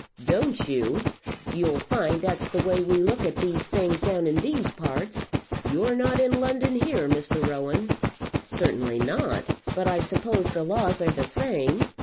"Don't you? You'll find that's the way we look at these things down in these parts. You're not in London here, Mr. Rowan." "Certainly not; but I suppose the laws are the same.